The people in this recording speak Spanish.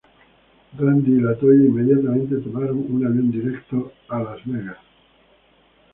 Randy y La Toya inmediatamente tomaron un avión directo a Las Vegas.